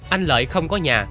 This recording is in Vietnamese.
anh lợi không có nhà